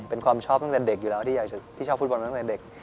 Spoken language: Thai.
เป็นความชอบตั้งแต่เด็กอยู่แล้วที่ชอบฟุตบอลมาตั้งแต่เด็ก